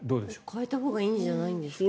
変えたほうがいいんじゃないですか？